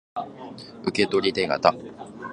受取手形